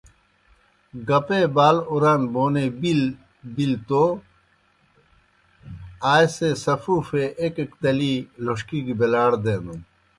گپے بال اُران بونے بِیل ِلیْ توْ آئے سے سفوفے ایْک ایْک تلی لوݜکی گہ بیلاڑ دینَن۔